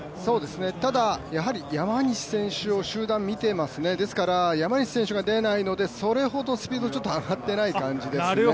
ただ、山西選手を集団見てますよねですから、山西選手が出ないのでそれほどスピードが上がってない感じですね。